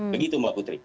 begitu mbak putri